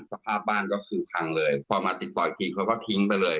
สภาพบ้านก็คือพังเลยพอมาติดต่ออีกทีเขาก็ทิ้งไปเลย